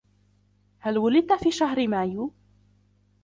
هل ولدت في شهر مايو ؟